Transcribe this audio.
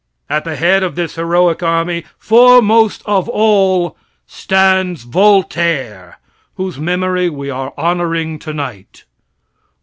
At the head of this heroic army, foremost of all, stands Voltaire, whose memory we are honoring tonight.